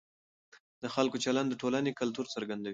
د خلکو چلند د ټولنې کلتور څرګندوي.